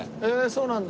そうなんだ。